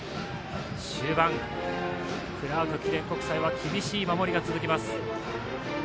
終盤、クラーク記念国際は厳しい守りが続きます。